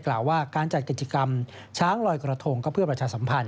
กล่าวว่าการจัดกิจกรรมช้างลอยกระทงก็เพื่อประชาสัมพันธ